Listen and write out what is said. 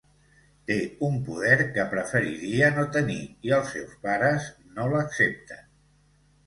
Té un poder que preferiria no tenir i els seus pares no l’accepten.